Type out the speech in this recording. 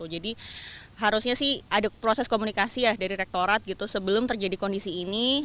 jadi harusnya sih ada proses komunikasi dari rektorat sebelum terjadi kondisi ini